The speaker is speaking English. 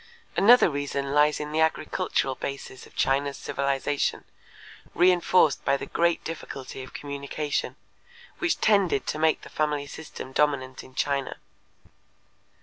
Another reason lies in the agricultural basis of China's civilization, reenforced by the great difficulty of communication, which tended to make the family system dominant in China.